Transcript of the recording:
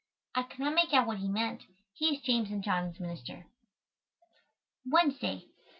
I could not make out what he meant. He is James' and John's minister. _Wednesday.